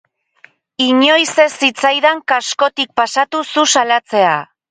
Inoiz ez zitzaidan kaskotik pasatu zu salatzea.